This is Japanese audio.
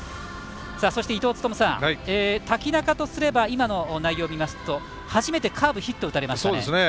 そして、伊東勤さん瀧中とすれば今の内容を見ますと初めてカーブヒット打たれましたね。